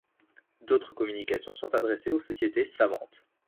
D'autres communications sont adressées aux sociétés savantes.